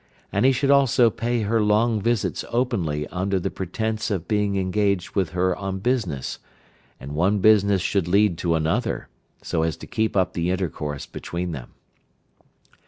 And he should also pay her long visits openly under the pretence of being engaged with her on business, and one business should lead to another, so as to keep up the intercourse between them.